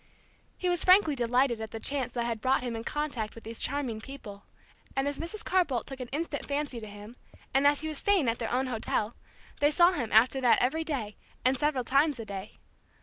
He was frankly delighted at the chance that had brought him in contact with these charming people; and as Mrs. Carr Bolt took an instant fancy to him, and as he was staying at their own hotel, they saw him after that every day, and several times a day.